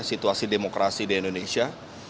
situasi demokrasi di indonesia